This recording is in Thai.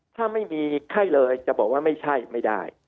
ถ้าไม่มีไข้เลยจะบอกว่าไม่ใช่ไม่ได้